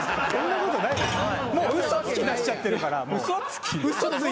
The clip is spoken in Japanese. もう嘘つきだしちゃってるから。